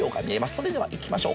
それではいきましょう